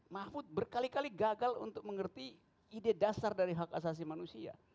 mahfud berkali kali gagal untuk mengerti ide dasar dari hak asasi manusia